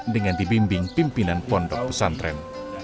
dengan dibimbing pimpinan pondok pesantren